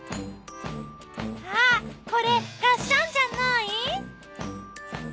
あっこれがっしゃんじゃない？